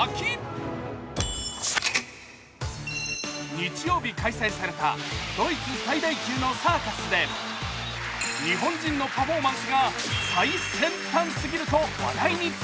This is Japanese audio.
日曜日開催されたドイツ最大級のサーカスで日本人のパフォーマンスが最先端すぎると話題に。